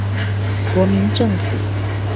國民政府